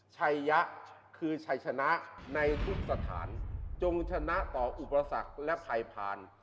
ชัยยะคือชัยชนะในทุกสถานจงชนะต่ออุปสรรคและใครผ่าน